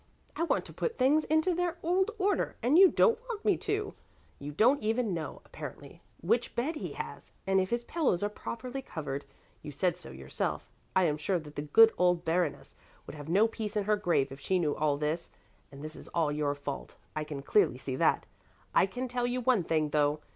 I want to put things into their old order and you don't want me to. You don't even know, apparently, which bed he has and if his pillows are properly covered. You said so yourself. I am sure that the good old Baroness would have no peace in her grave if she knew all this. And this is all your fault. I can clearly see that. I can tell you one thing, though!